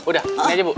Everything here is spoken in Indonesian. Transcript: udah ini aja bu